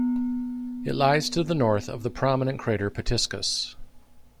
It lies to the north of the prominent crater Pitiscus.